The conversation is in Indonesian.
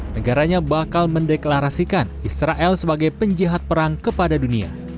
negaranya bakal mendeklarasikan israel sebagai penjihat perang kepada dunia